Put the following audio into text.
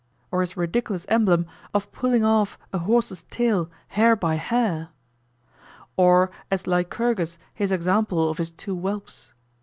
Or his ridiculous emblem of pulling off a horse's tail hair by hair? Or as Lycurgus his example of his two whelps?